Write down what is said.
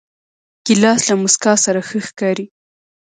ګیلاس له موسکا سره ښه ښکاري.